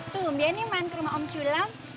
tuh dia ini main ke rumah om culam